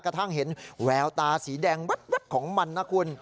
กระทั่งเห็นแววตาสีแดงแว๊บของมันนะคุณ